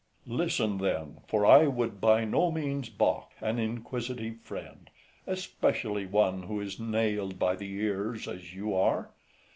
Listen, then, for I would by no means baulk an inquisitive friend, especially one who is nailed by the ears, as you are.